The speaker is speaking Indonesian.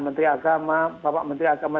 menteri agama bapak menteri agama